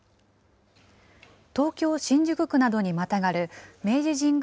東京・新宿区などにまたがる明治神宮